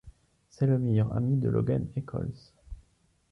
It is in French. C'est le meilleur ami de Logan Echolls.